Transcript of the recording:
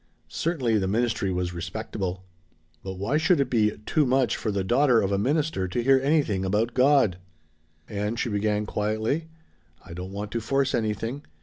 Certainly the ministry was respectable. But why should it be "too much" for the daughter of a minister to hear anything about God? "Ann," she began quietly, "I don't want to force anything.